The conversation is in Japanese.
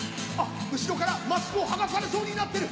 後ろからマスクを剥がされそうになってる。